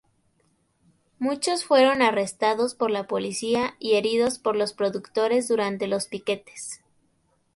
Muchos fueron arrestados por la policía y heridos por los productores durante los piquetes.